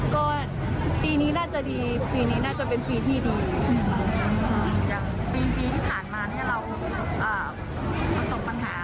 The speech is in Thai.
ใช่เมื่อกี้ผมขายออนไลน์แบบขาขายก็แบบไม่ค่อยจะปลั่งเท่าไร